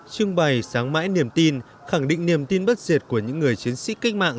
trưng bày sáng mãi niềm tin khẳng định niềm tin bất diệt của những người chiến sĩ cách mạng